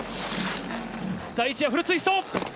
第１エアフルツイスト！